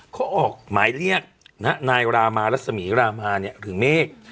เขาออกหมายเรียกนายรามารัศมีรามาหรือเมฆ